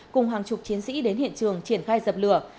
cùng hàng chục chiến sĩ đến hiện trường triển khai dập lửa